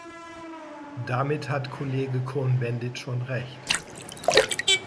Damit hat Kollege Cohn-Bendit schon Recht.